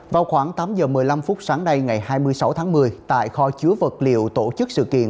vào khoảng tám giờ một mươi năm phút sáng nay ngày hai mươi sáu tháng một mươi tại kho chứa vật liệu tổ chức sự kiện